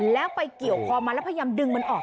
แล้วไปเกี่ยวคอมันแล้วพยายามดึงมันออก